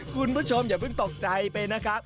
คุณผู้ชมอย่าเพิ่งตกใจไปนะครับ